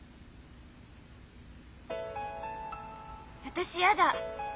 私嫌だ。